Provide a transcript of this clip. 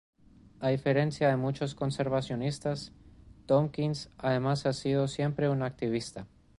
A diferencia de muchos conservacionistas, Tompkins además ha sido siempre un activista.